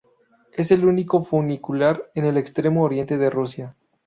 Es el único funicular en el Extremo Oriente de Rusia.